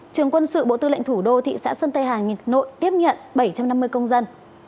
trường quân sự bộ tư lệnh thủ đô thị xã sơn tây hà nội tiếp nhận bảy trăm năm mươi công dân